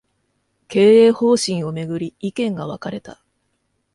経営方針を巡り、意見が分かれた